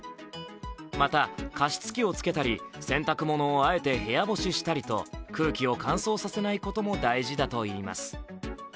また、加湿器をつけたり、洗濯物をあえて部屋干ししたりと、空気を乾燥させないことも大事だといいます。